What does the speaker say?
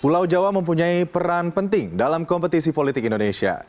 pulau jawa mempunyai peran penting dalam kompetisi politik indonesia